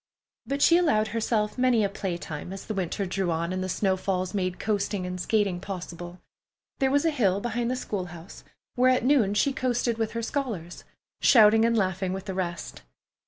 But she allowed herself many a playtime as the winter drew on and the snow falls made coasting and skating possible. There was a hill behind the school house where at noon she coasted with her scholars, shouting and laughing with the rest.